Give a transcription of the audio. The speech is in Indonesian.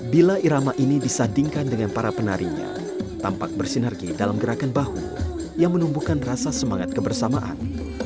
bila irama ini disandingkan dengan para penarinya tampak bersinergi dalam gerakan bahu yang menumbuhkan rasa semangat kebersamaan